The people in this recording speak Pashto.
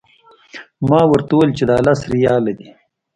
ما ورته وویل چې دا لس ریاله دي.